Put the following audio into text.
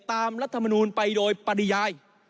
รัฐมนูลไปโดยปริยาย